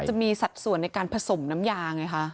จะมีสัดส่วนในการผสมน้ำยาไงคะ